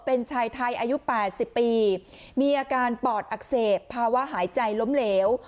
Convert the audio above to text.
เป็นชายไทยอายุ๘๐ปีมีอาการปอดอักเสบภาวะหายใจล้มเหลว